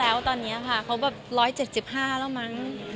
แล้วตอนเนี้ยค่ะเขาแบบร้อยเจ็ดจิบห้าแล้วมั้ง